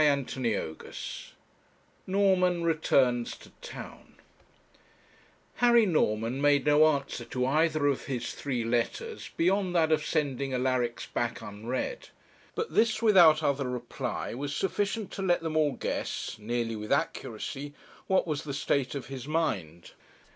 CHAPTER XV NORMAN RETURNS TO TOWN Harry Norman made no answer to either of his three letters beyond that of sending Alaric's back unread; but this, without other reply, was sufficient to let them all guess, nearly with accuracy, what was the state of his mind.